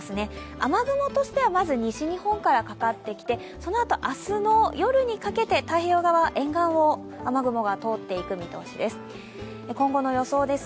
雨雲としてはまず西日本からかかってきてそのあと明日の夜にかけて太平洋側沿岸を雨雲が通っていく見通しです。